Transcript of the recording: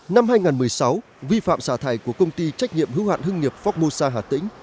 năm hai nghìn một mươi sáu vi phạm xả thải của công ty trách nhiệm hữu hạn hưng nghiệp phóc mô sa hà tĩnh